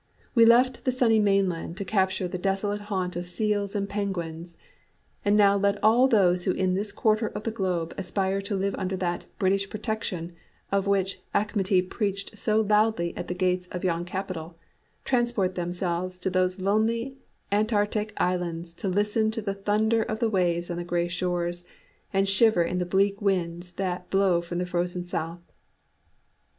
We left the sunny mainland to capture the desolate haunt of seals and penguins; and now let all those who in this quarter of the globe aspire to live under that 'British Protection' of which Achmuty preached so loudly at the gates of yon capital, transport themselves to those lonely antarctic islands to listen to the thunder of the waves on the grey shores and shiver in the bleak winds that blow from the frozen south!"